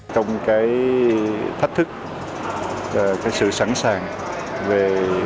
trong cái thách thức cái sự sẵn sàng về